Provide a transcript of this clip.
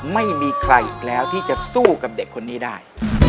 ไม่มีใครอีกแล้วที่จะสู้กับเด็กคนนี้ได้